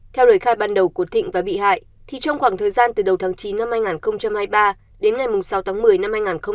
theo lời khai ban đầu của thịnh và bị hại thì trong khoảng thời gian từ đầu tháng chín năm hai nghìn hai mươi ba đến ngày sáu tháng một mươi năm hai nghìn hai mươi ba